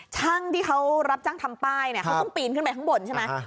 ช่างที่เขารับจ้างทำป้ายเนี่ยเขาต้องปีนขึ้นไปข้างบนใช่ไหม